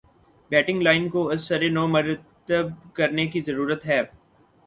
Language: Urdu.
بیٹنگ لائن کو ازسر نو مرتب کرنے کی ضرورت ہے